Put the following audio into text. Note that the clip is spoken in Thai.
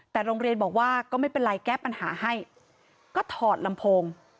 แต่โรงเรียนบอกว่าก็ไม่เป็นไรแก้ปัญหาให้ก็ถอดลำโพง